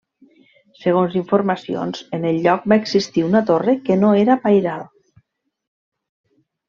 Segons informacions en el lloc va existir una torre que no era pairal.